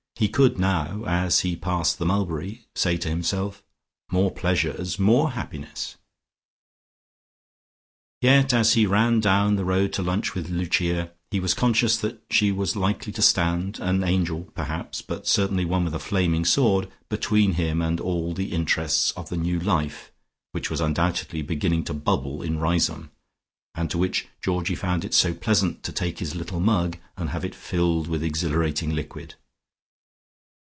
he could now, as he passed the mulberry, say to himself "More pleasures! more happiness!" Yet as he ran down the road to lunch with Lucia he was conscious that she was likely to stand, an angel perhaps, but certainly one with a flaming sword, between him and all the interests of the new life which was undoubtedly beginning to bubble in Riseholme, and to which Georgie found it so pleasant to take his little mug, and have it filled with exhilarating liquid.